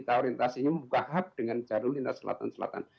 kita orientasinya membuka hub dengan jalur lintas selatan selatan